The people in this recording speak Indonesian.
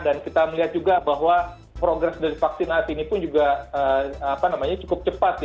dan kita melihat juga bahwa progres dari vaksinasi ini pun juga cukup cepat